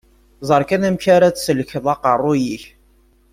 Ẓer kan amek ara tesselkeḍ aqqerruy-ik.